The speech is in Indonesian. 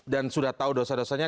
dan sudah tahu dosa dosanya